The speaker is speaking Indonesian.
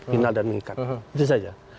final dan mengikat itu saja